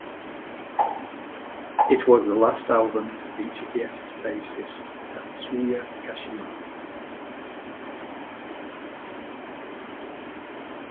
It was the last album to feature guest bassist, Tatsuya Kashima.